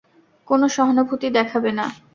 কোনো সহানুভূতি দেখাবে না।